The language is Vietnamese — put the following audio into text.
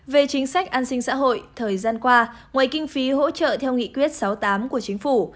về chính sách an sinh xã hội thời gian qua ngoài kinh phí hỗ trợ theo nghị quyết sáu mươi tám của chính phủ